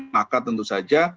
maka tentu saja